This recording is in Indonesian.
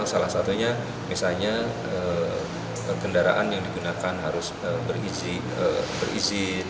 salah satunya misalnya kendaraan yang digunakan harus berizin